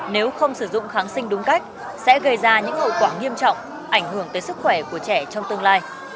nếu không sử dụng kháng sinh đúng cách sẽ gây ra những hậu quả nghiêm trọng ảnh hưởng tới sức khỏe của trẻ trong tương lai